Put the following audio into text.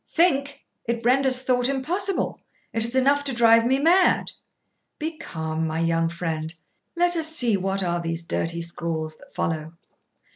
'Think! it renders thought impossible. It is enough to drive me mad.' 'Be calm, my young friend; let us see what are these dirty scrawls that follow.'